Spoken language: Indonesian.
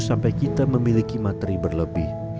sampai kita memiliki materi berlebih